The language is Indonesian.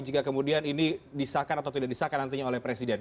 jika kemudian ini disahkan atau tidak disahkan nantinya oleh presiden